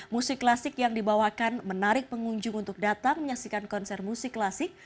musik klasik yang dibawakan menarik pengunjung untuk datang menyaksikan konser musik klasik